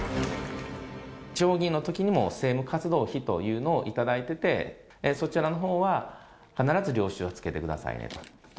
地方議員のときにも政務活動費というのを頂いてて、そちらのほうは必ず領収書つけてくださいねと。